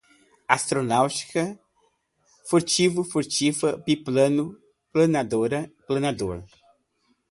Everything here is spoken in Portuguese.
Astronáutica, furtivo, furtiva, biplano, planadora, planador